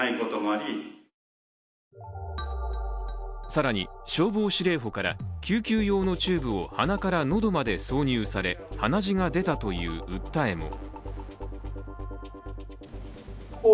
更に消防司令補から救急用のチューブを鼻から喉まで挿入され鼻血が出たという訴えも。